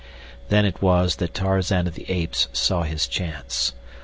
Then it was that Tarzan of the Apes saw his chance.